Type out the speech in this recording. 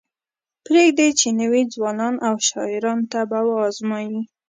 پریږدئ چې نوي ځوانان او شاعران طبع وازمایي.